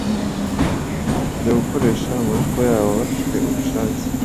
bajya gukoresha amaboko yabo bafite ubushake.